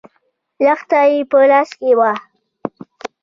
لښته يې په لاس کې وه.